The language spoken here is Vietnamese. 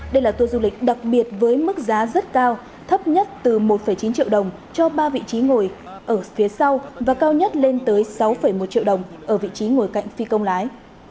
đây là tour du lịch đặc biệt với mức giá rất cao thấp nhất từ một chín triệu đồng cho ba vị trí ngồi ở phía sau và cao nhất lên tới sáu một triệu đồng ở vị trí ngồi cạnh phi công lái